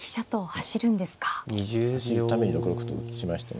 走るために６六歩と打ちましたね。